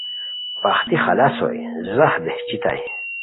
پختی خلاص ہوئے ځاہ بہچیتائے